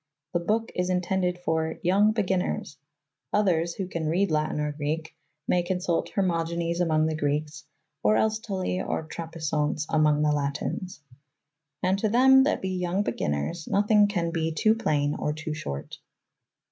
The book is intended for "young beginners ""; others, who can read Latin or Greek, may con sult "Hermogines among the Grekes, or els Tully or Trapesonce among the Latines. " "And to them that be yonge begynners nothinge can be to playne or to short.